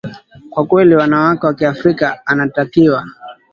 kwa kweli wanawake wa kiafrika anatakiwa